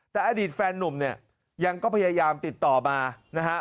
แต่อดีตแฟนนุ่มเนี่ยยังก็พยายามติดต่อมานะฮะ